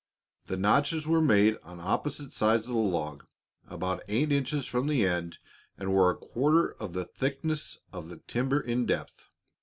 The notches were made on opposite sides of the log, about eight inches from the end, and were a quarter the thickness of the timber in depth.